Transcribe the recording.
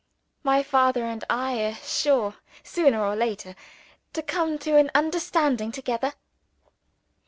My father and I are sure, sooner or later, to come to an understanding together.